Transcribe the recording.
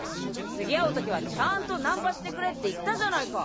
次会うときはちゃんとナンパしてくれって言ったじゃないか！